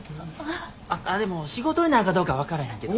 ああでも仕事になるかどうか分からへんけど。